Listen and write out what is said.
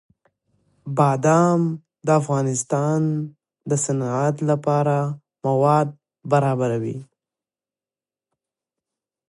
بادام د افغانستان د صنعت لپاره مواد برابروي.